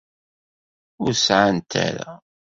Ur sɛant ara.